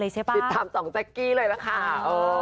ส่องแจ๊กกี้เลยล่ะค่ะ